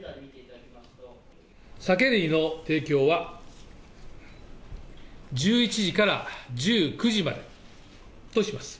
酒類の提供は、１１時から１９時までとします。